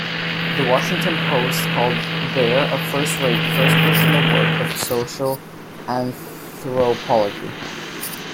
The Washington Post called "Bare" a "first-rate, first-person work of social anthropology.